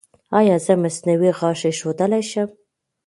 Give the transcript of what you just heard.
ایا زه مصنوعي غاښ ایښودلی شم؟